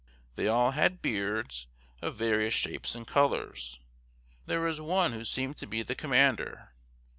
They all had beards, of various shapes and colors. There was one who seemed to be the commander.